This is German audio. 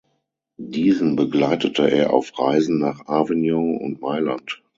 Diesen begleitete er auf Reisen nach Avignon und Mailand.